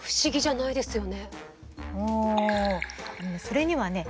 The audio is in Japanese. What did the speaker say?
それにはね